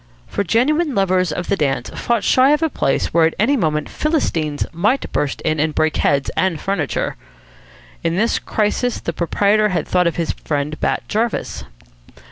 For genuine lovers of the dance fought shy of a place where at any moment Philistines might burst in and break heads and furniture. In this crisis the proprietor thought of his friend Bat Jarvis.